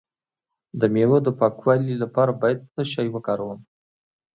د میوو د پاکوالي لپاره باید څه شی وکاروم؟